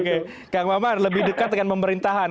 oke kang maman lebih dekat dengan pemerintahan